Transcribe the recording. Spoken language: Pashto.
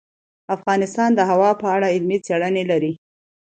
افغانستان د هوا په اړه علمي څېړنې لري.